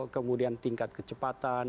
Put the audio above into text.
kemudian tingkat kecepatan